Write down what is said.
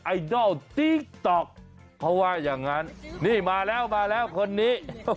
ไอดอลติ๊กต๊อกเพราะว่าอย่างนั้นนี่มาแล้วคนนี้